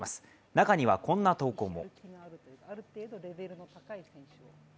中には、こんな投稿も。